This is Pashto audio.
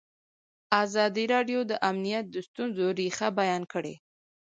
ازادي راډیو د امنیت د ستونزو رېښه بیان کړې.